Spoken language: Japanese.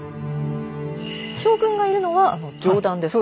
将軍がいるのは上段ですか？